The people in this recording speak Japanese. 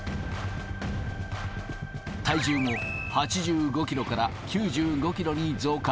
体重も８５キロから９５キロに増加。